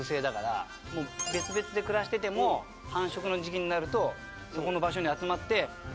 別々で暮らしてても繁殖の時期になるとそこの場所に集まってパートナーを探して。